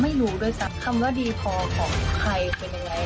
ไม่รู้ด้วยซ้ำคำว่าดีพอของใครเป็นยังไง